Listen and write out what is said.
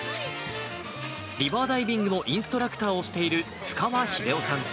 リバーダイビングのインストラクターをしている深和英生さん。